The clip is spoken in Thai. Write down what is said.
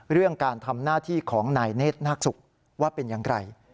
เรื่องการทำหน้าที่ของนายเนธนาคศุกร์ว่าเป็นอย่างไร